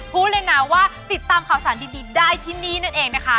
พูดเลยนะว่าติดตามข่าวสารดีได้ที่นี่นั่นเองนะคะ